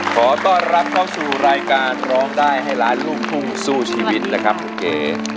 ขอต้อนรับเข้าสู่รายการร้องได้ให้ล้านลูกทุ่งสู้ชีวิตนะครับคุณเก๋